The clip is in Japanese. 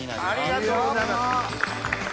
ありがとうございます。